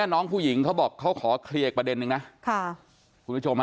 น้องผู้หญิงเขาบอกเขาขอเคลียร์อีกประเด็นนึงนะ